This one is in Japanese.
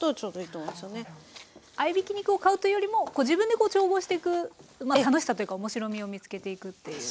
合いびき肉を買うというよりも自分で調合していく楽しさというか面白みを見つけていくっていう。